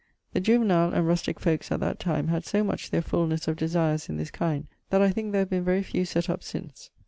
The juvenile and rustique folkes at that time had so much their fullnesse of desires in this kind, that I thinke there have been very few sett up since.